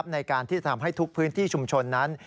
ในการที่จะทำให้ทุกพื้นที่ชุมชนนั้น